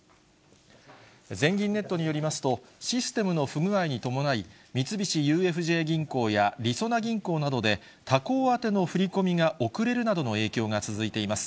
全銀ネットによりますと、システムの不具合に伴い、三菱ＵＦＪ銀行やりそな銀行などで、他行宛ての振り込みが遅れるなどの影響が続いています。